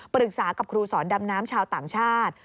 ปรึกษากับครูสอนดำน้ำชาวต่างชาติ